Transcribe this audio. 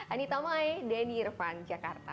anita mai denny irvan jakarta